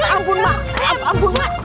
aduh mak ampun mak